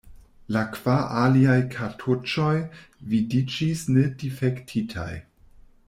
La kvar aliaj kartoĉoj vidiĝis ne difektitaj.